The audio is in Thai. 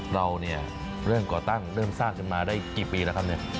เราเนี่ยเริ่มก่อตั้งเริ่มสร้างกันมาได้กี่ปีแล้วครับเนี่ย